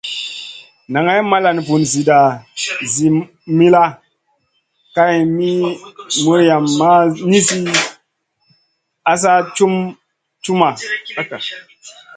Nagay malan vun zida zi millàh, kay mi muriayn ma nizi asa cumʼma.